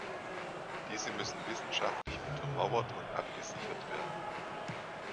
Diese müssen wissenschaftlich untermauert und abgesichert werden.